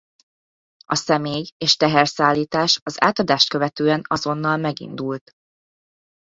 A személy- és teherszállítás az átadást követően azonnal megindult.